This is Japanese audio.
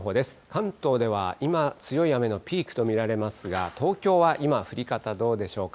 関東では今、強い雨のピークと見られますが、東京は今、降り方どうでしょうか。